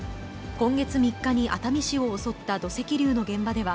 今月３日に熱海市を襲った土石流の現場では、